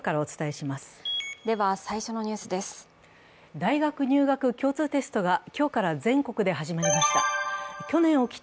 大学入学共通テストが今日から全国で始まりました。